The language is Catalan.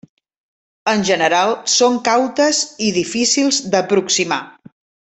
En general són cautes i difícils d'aproximar.